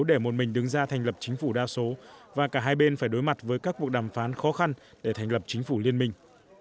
để một mình đứng ra thành lập chính phủ đa số và cả hai bên phải đối mặt với các cuộc đàm phán khó khăn để thành lập chính phủ liên minh